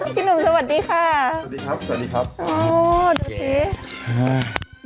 พี่หนุ่มสวัสดีค่ะสวัสดีครับสวัสดีครับอ๋อโอเคฮะ